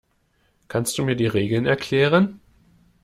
Kannst du mir die Regeln erklären?